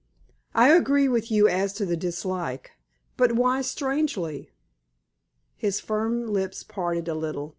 "I agree with you as to the dislike. But why strangely?" His firm lips parted a little.